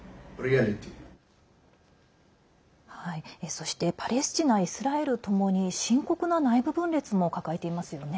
そして、パレスチナイスラエルともに深刻な内部分裂も抱えていますよね。